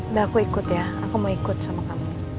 udah aku ikut ya aku mau ikut sama kamu